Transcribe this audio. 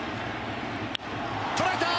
捉えた！